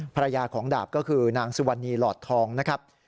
ภรรยาของดาบก็คือนางสุวรรณีหลอดทองนะครับ